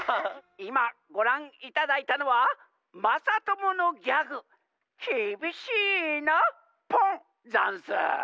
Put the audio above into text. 「いまごらんいただいたのはまさとものギャグ『きびしいなポン』ざんす。